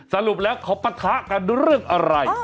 สรุปแล้วเขาปะทะกันเรื่องอะไร